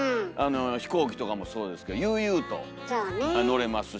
飛行機とかもそうですけど悠々と乗れますし。